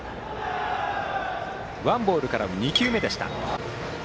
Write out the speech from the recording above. ワンボールから２球目でした。